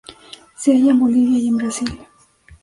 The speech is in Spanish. Se halla en Bolivia y en Brasil.